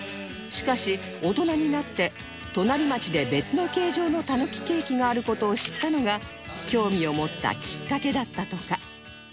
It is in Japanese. しかし大人になって隣町で別の形状のたぬきケーキがある事を知ったのが興味を持ったきっかけだったとか